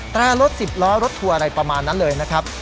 แต่รถ๑๐ล้อรถทัวร์อะไรประมาณนั้นเลยนะครับ